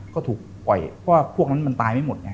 ก็ถูกไหวเพราะว่าพวกมันมันตายไม่หมดไง